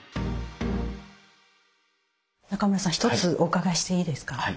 中村さん一つお伺いしていいですか。